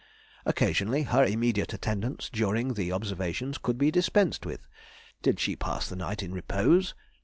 Occasionally her immediate attendance during the observations could be dispensed with. Did she pass the night in repose?